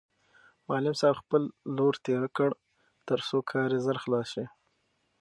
معلم صاحب خپل لور تېره کړ ترڅو کار یې ژر خلاص شي.